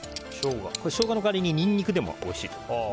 ショウガの代わりにニンニクでもおいしいと思います。